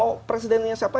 mau presidennya siapa